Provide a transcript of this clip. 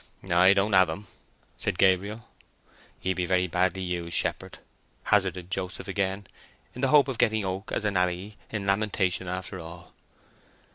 "I don't have them," said Gabriel. "Ye be very badly used, shepherd," hazarded Joseph again, in the hope of getting Oak as an ally in lamentation after all.